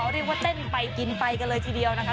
เรียกว่าเต้นไปกินไปกันเลยทีเดียวนะคะ